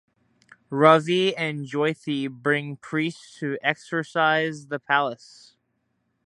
Ravi and Jyothi bring priests to exorcise the palace.